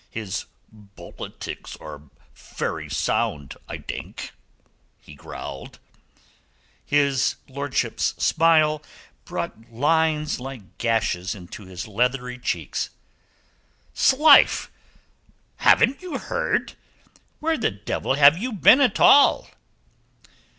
"His bolitics are fery sound, I dink," he growled. His lordship's smile brought lines like gashes into his leathery cheeks. "'Slife! hadn't you heard? Where the devil have you been at all?"